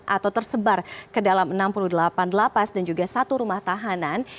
atau tersebar ke dalam enam puluh delapan lapas dan juga satu rumah tahanan